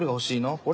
これ？